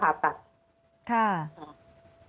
อันดับที่สุดท้าย